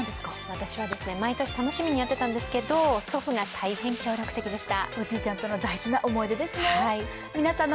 私はですね、毎年、楽しみにやってたんですけど祖父が大変、協力的でした。